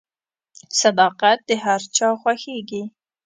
• صداقت د هر چا خوښیږي.